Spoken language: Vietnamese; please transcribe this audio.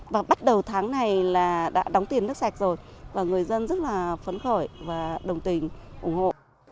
và bắt đầu tháng này là đã đóng tiền nước sạch rồi và người dân rất là phấn khởi và đồng tình ủng hộ